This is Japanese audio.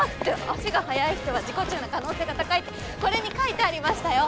足が速い人は自己中な可能性が高いってこれに書いてありましたよ！